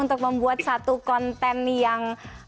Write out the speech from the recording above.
untuk membuat satu konten yang